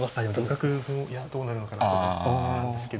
同角もどうなるのかなと思ってたんですけど。